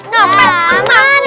nggak ada pun